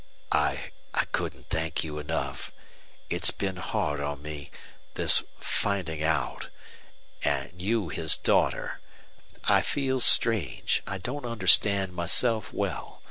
"I I couldn't thank you enough. It's been hard on me this finding out and you his daughter. I feel strange. I don't understand myself well.